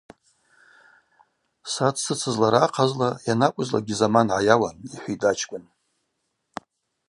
Са дсыцызлара ахъазла йанакӏвызлакӏгьи заман гӏайауан, – йхӏвитӏ ачкӏвын.